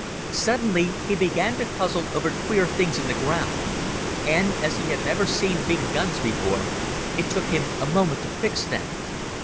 Suddenly he began to puzzle over queer things in the ground, and, as he had never seen big guns before, it took him a moment to fix them.